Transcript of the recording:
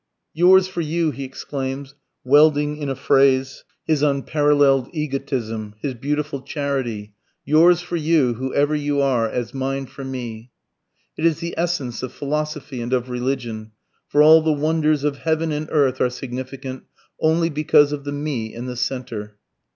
"Yours for you," he exclaims, welding in a phrase his unparalleled egotism, his beautiful charity, "yours for you, who ever you are, as mine for me." It is the essence of philosophy and of religion, for all the wonders of heaven and earth are significant "only because of the Me in the centre."